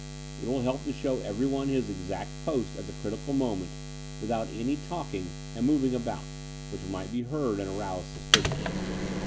It will help to show everyone his exact post at the critical moment without any talking and moving about, which might be heard and arouse suspicion.